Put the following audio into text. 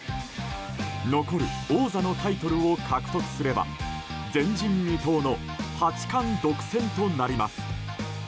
残る王座のタイトルを獲得すれば前人未到の八冠独占となります。